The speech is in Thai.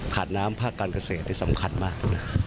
น้ำภาคการเกษตรนี่สำคัญมาก